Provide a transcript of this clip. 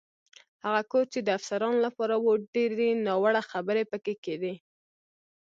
هغه کور چې د افسرانو لپاره و، ډېرې ناوړه خبرې پکې کېدې.